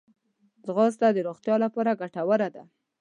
ځغاسته د روغتیا لپاره ګټوره ده